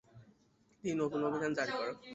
তিনি নতুন সংবিধান জারি করে।